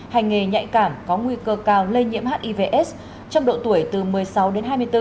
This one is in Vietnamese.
hành nghề nhạy cảm có nguy cơ cao lây nhiễm hivs trong độ tuổi từ một mươi sáu đến hai mươi bốn